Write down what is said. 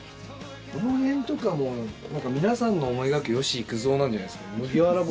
この辺とかもう皆さんの思い描く吉幾三なんじゃないですか麦わら帽子。